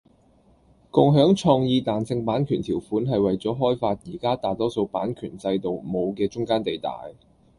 共享創意彈性版權條款係為咗開發而家大多數版權制度冇嘅中間地帶